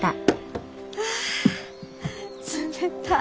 あ冷たっ！